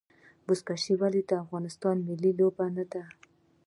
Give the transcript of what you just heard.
بزکشي ولې د افغانستان ملي لوبه نه ده؟